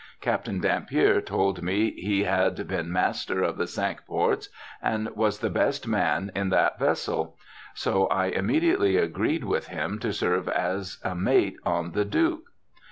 Captain Dampier ^ told me he had been Master of the Cinque Ports, and was the best man in that vessel ; so I immediately agreed with him to serve as a mate on the Dtike.